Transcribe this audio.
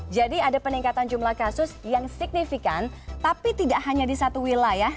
jadi ada peningkatan jumlah kasus yang signifikan tapi tidak hanya di satu wilayah